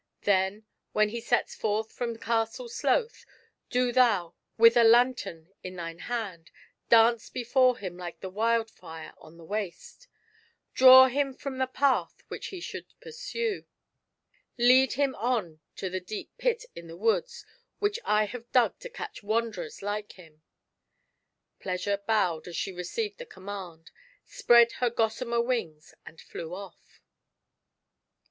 Then, when he sets forth from Castle Sloth, do thou, with a lantern in thine hand, dance before him like the wild fire on the waste ; draw him from the path which he should pursue. GIANT SELFISHNESS. 43 lead him on to the deep pit in the woods which I have dug to catch wanderers like him." Pleasui e bowed as she received the command, spread her gossamer wings, and flew off.